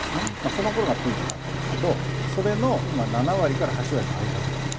その頃がピークだったんですけどそれの今７割から８割の間ぐらいなんです。